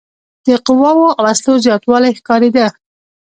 د قواوو او وسلو زیاتوالی ښکارېده.